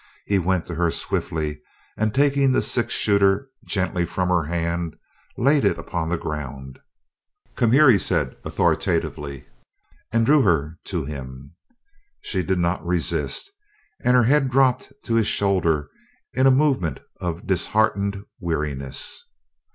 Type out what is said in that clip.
He went to her swiftly, and taking the six shooter gently from her hand laid it upon the ground. "Come here," he said authoritatively, and drew her to him. She did not resist, and her head dropped to his shoulder in a movement of disheartened weariness.